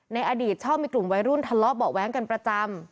ในอดีตชอบมีกลุ่มวัยรุ่นทะเลาะเบาะแว้งกันประจำ